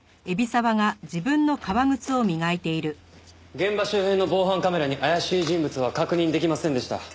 現場周辺の防犯カメラに怪しい人物は確認できませんでした。